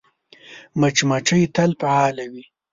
مچمچۍ تل فعاله وي